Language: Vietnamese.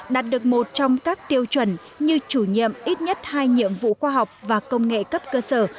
đạt được một trong các tiêu chuẩn như chủ nhiệm ít nhất hai nhiệm vụ khoa học và công nghệ cấp cơ sở